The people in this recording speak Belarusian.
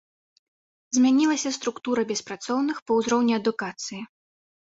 Змянілася структура беспрацоўных па ўзроўні адукацыі.